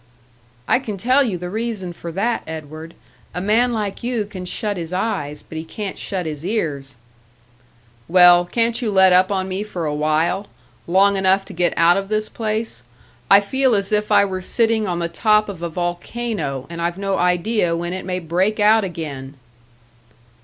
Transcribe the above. "I can tell you the reason for that, Edward a man like you can shut his eyes, but he can't shut his ears!" "Well, can't you let up on me for awhile long enough to get out of this place? I feel as if I were sitting on the top of a volcano, and I've no idea when it may break out again."